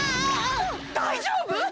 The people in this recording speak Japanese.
だいじょうぶ！？